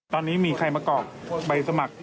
ตอนนี้มีใครมากรอกใบสมัคร